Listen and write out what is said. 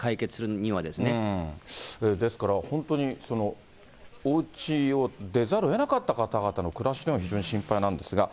ですから本当に、おうちを出ざるをえなかった方々の暮らしというのが、非常に心配なんですが。